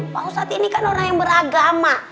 pak ustadz ini kan orang yang beragama